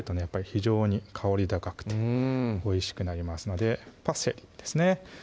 非常に香り高くておいしくなりますのでパセリですね